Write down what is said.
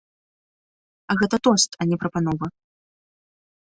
А гэта тост, а не прапанова.